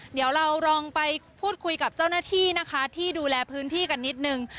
เดี๋ยวเราลองไปพูดคุยกับเจ้าหน้าที่นะคะที่ดูแลพื้นที่กันนิดนึง